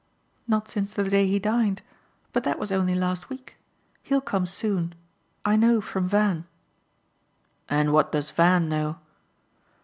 "Not since the day he dined but that was only last week. He'll come soon I know from Van." "And what does Van know?"